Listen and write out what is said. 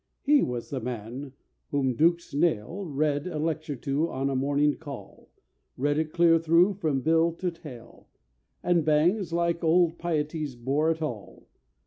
He was the man whom Dr. Snayle Read a lecture to on a morning call— Read it clear through from bill to tail; And Bangs like Old Piety bore it all.